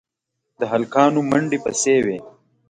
د هلکانو منډې پسې وې.